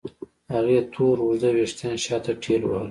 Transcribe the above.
هغې تور اوږده وېښتان شاته ټېلوهل.